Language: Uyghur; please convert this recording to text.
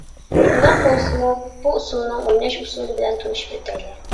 شۇنداق بولسىمۇ بۇ ئۇسسۇلنىڭ ئويناش ئۇسۇلى بىلەن تونۇشۇپ ئۆتەيلى.